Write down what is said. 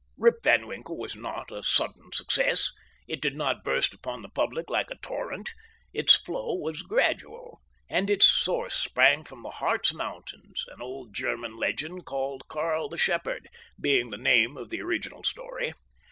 "Rip Van Winkle" was not a sudden success. It did not burst upon the public like a torrent. Its flow was gradual, and its source sprang from the Hartz Mountains, an old German legend, called "Carl the Shepherd," being the name of the original story.